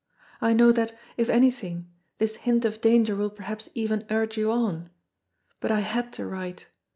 I know that, if anything, this hint of danger will perhaps even urge you on. But I had to write.